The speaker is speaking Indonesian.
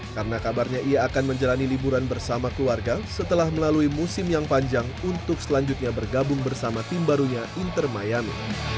karena kabarnya ia akan menjalani liburan bersama keluarga setelah melalui musim yang panjang untuk selanjutnya bergabung bersama tim barunya inter miami